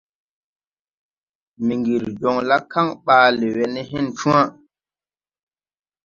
Mbiŋgiri joŋ la kaŋ ɓaale we ne hen cwã.